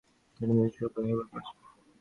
সেটা জিনিসটার ওপর নির্ভর করছে।